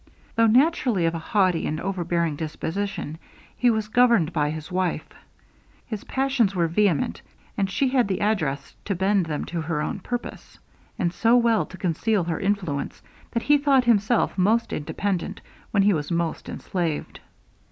Though naturally of a haughty and overbearing disposition, he was governed by his wife. His passions were vehement, and she had the address to bend them to her own purpose; and so well to conceal her influence, that he thought himself most independent when he was most enslaved.